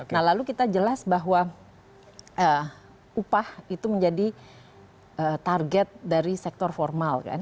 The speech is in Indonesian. nah lalu kita jelas bahwa upah itu menjadi target dari sektor formal kan